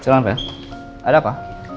salam pak ya ada apa